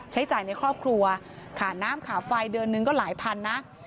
ใช้จ่ายในครอบครัวขาน้ำขาไฟเดือนนึงก็หลายพันนะ